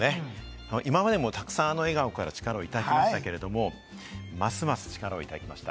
今までもたくさんあの笑顔から力をいただきましたけれど、ますます力をいただきました。